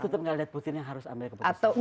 aku tetep gak liat putin yang harus ambil keputusan